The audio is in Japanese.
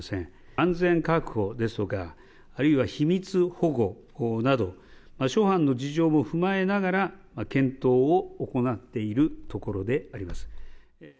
安全確保ですとかあるいは秘密保護など諸般の事情も踏まえながら検討を行っているところであります。